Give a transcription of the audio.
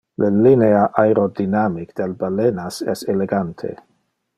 Le linea aerodynamic del balenas es elegante.